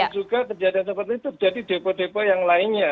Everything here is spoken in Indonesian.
dan juga kejadian seperti itu terjadi depo depo yang lainnya